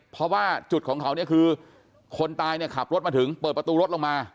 เพราะว่าจุดของเขาเนี่ยคือคนตายเนี่ยขับรถมาถึงเปิดประตูรถลงมา